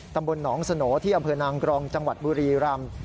ตำบลหนองสโหนที่อำเภอนางกรองจังหวัดบุรีรำ